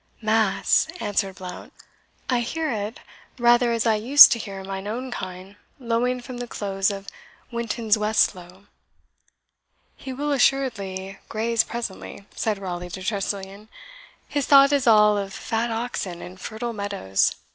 "Mass!" answered Blount, "I hear it rather as I used to hear mine own kine lowing from the close of Wittenswestlowe." "He will assuredly graze presently," said Raleigh to Tressilian; "his thought is all of fat oxen and fertile meadows.